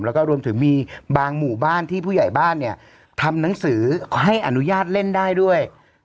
แล้วก็รวมถึงมีบางหมู่บ้านที่ผู้ใหญ่บ้านเนี่ยทำหนังสือให้อนุญาตเล่นได้ด้วย